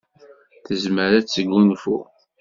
Tezmer ad tesgunfu.